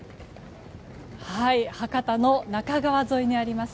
博多の那珂川沿いにあります